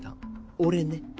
俺ね